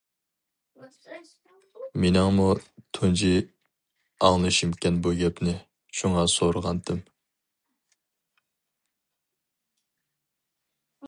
مېنىڭمۇ تۇنجى ئاڭلىشىمكەن بۇ گەپنى، شۇڭا سورىغانتىم.